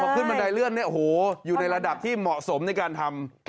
ขึ้นบันไดเลื่อนเนี่ยโอ้โหอยู่ในระดับที่เหมาะสมในการทำ